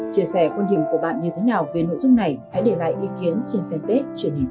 chia sẻ quan điểm của bạn như thế nào về nội dung này hãy để lại ý kiến trên fanpage truyền hình nhân dân